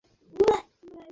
তুমি হান জং-হি?